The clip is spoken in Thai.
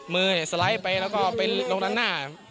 มือสไลด์ไปแล้วก็ไปลงด้านหน้า